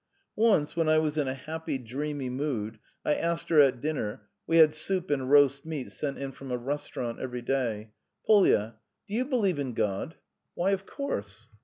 Once when I was in a happy, dreamy mood, I asked her at dinner (we had soup and roast meat sent in from a restaurant every day) "Polya, do you believe in God?" "Why, of course!"